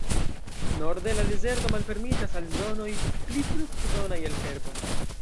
Norde, la dezerto malfermiĝas al zonoj pli fruktodonaj el herbo.